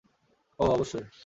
ওহ, অবশ্যই।